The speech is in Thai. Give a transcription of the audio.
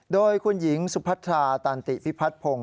โดยคุณหญิงสุพัทราตันติพิพัฒนพงศ